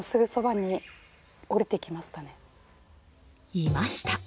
いました。